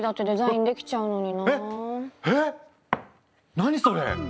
何それ⁉